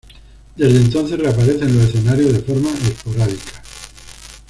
Desde entonces, reaparece en los escenarios de forma esporádica.